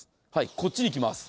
こっち、いきます。